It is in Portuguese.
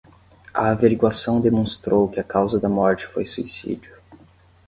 A averiguação demonstrou que a causa da morte foi suicídio